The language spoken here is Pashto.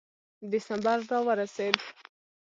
ډسمبر را ورسېد.